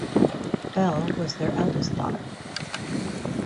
Bell was their eldest daughter.